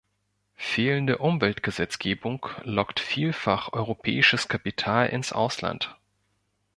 Fehlende Umweltgesetzgebung lockt vielfach europäisches Kapital ins Ausland.